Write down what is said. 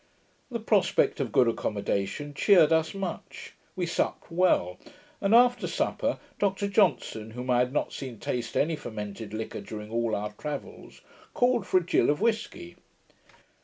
The prospect of good accommodation cheered us much. We supped well; and after supper, Dr Johnson, whom I had not seen taste any fermented liquor during all our travels, called for a gill of whisky.